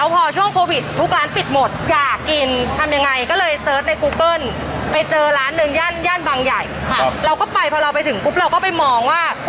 พอช่วงโโฟวิดทุกร้านปิดหมดอยากกินยังไงก็เลยเซิร์ชในกูเกิลไปจบระหารที่บางไหน